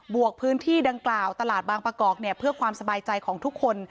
วกพื้นที่ดังกล่าวตลาดบางประกอบเพื่อความสบายใจของทุกคน